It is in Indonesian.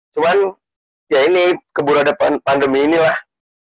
cuman ya ini kebura depan pandemi ini lah